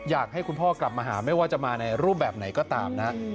อยากให้คุณพ่อกลับมาหาไม่ว่าจะมาในรูปแบบไหนก็ตามนะฮะ